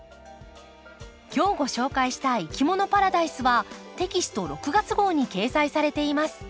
今日ご紹介した「いきものパラダイス」はテキスト６月号に掲載されています。